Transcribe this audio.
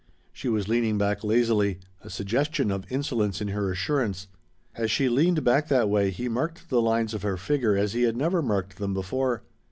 She was leaning back lazily, a suggestion of insolence in her assurance. As she leaned back that way he marked the lines of her figure as he had never marked them before.